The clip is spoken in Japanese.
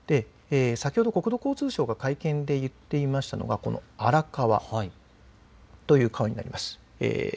先ほど国土交通省が会見で言っていましたのがこの荒川という川になります。